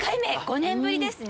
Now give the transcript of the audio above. ５年ぶりですね。